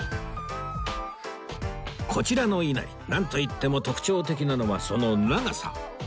こちらのいなりなんといっても特徴的なのはその長さ